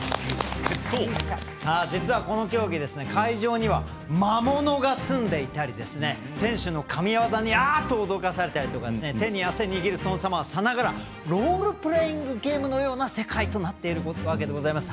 実はこの競技、会場には魔物がすんでいたり選手の神ワザにあっと驚かされたりとか手に汗握るその姿はさながらロールプレイングゲームのような世界となっているわけでございます。